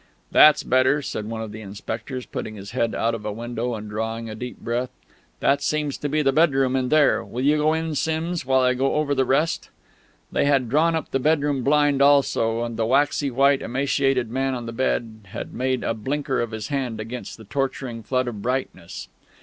"That's better," said one of the inspectors, putting his head out of a window and drawing a deep breath.... "That seems to be the bedroom in there; will you go in, Simms, while I go over the rest?..." They had drawn up the bedroom blind also, and the waxy white, emaciated man on the bed had made a blinker of his hand against the torturing flood of brightness.